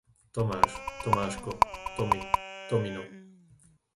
Tomáš, Tomáško, Tomi, Tomino